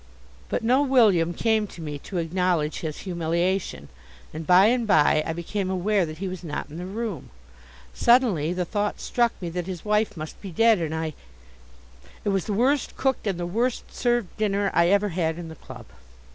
But no William came to me to acknowledge his humiliation, and by and by I became aware that he was not in the room. Suddenly the thought struck me that his wife must be dead, and I . It was the worst cooked and the worst served dinner I ever had in the club.